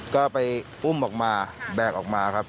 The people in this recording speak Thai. ก็ไปอุ้มออกมาแบกออกมาครับ